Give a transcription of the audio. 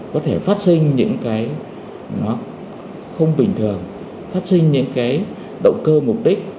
có thể phát sinh những cái không bình thường phát sinh những động cơ mục đích